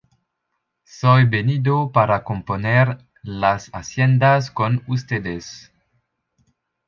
Soy venido para componer las haciendas con ustedes.